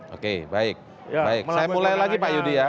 oke baik baik saya mulai lagi pak yudi ya